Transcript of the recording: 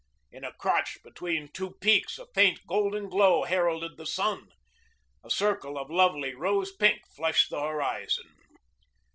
In a crotch between two peaks a faint golden glow heralded the sun. A circle of lovely rose pink flushed the horizon.